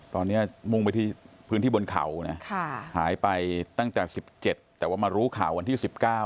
ตอนนี้มุ่งไปที่พื้นที่บนเขานะหายไปตั้งแต่๑๗แต่ว่ามารู้ข่าววันที่๑๙